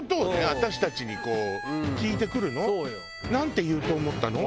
私たちに聞いてくるの？なんて言うと思ったの？